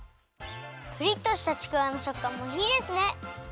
プリッとしたちくわのしょっかんもいいですね。